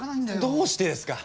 どうしてですか。